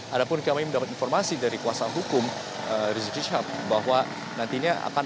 ada pun kami mendapat informasi dari kuasa hukum rizik sihab bahwa nantinya akan